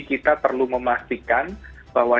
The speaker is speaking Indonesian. kita perlu memastikan bahwa